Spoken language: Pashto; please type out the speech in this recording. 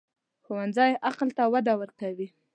ښوونځی عقل ته وده ورکوي